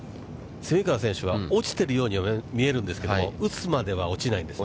蝉川選手は、落ちてるように見えるんですけど、打つまでは落ちないんです。